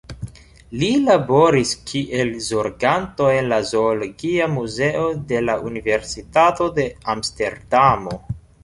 Li laboris kiel zorganto en la zoologia muzeo de la Universitato de Amsterdamo.